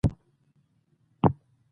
نن بزرګه مياشت رادبره شوې ده.